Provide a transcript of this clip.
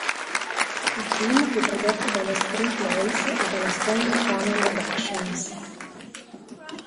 Il film fu prodotto dalla Screen Plays e dalla Stanley Kramer Productions.